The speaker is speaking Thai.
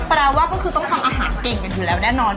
แปลว่าก็คือต้องทำอาหารเก่งกันอยู่แล้วแน่นอน